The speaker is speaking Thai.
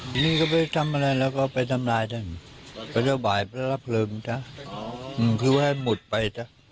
ที่นี่ก็ไปทำอะไรแล้วก็ไปทำร้ายด้วยพระเจ้าบ่ายพระรับเพลิมคือว่าให้หมดไป